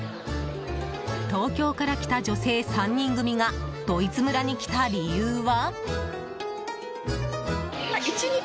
東京から来た女性３人組がドイツ村に来た理由は？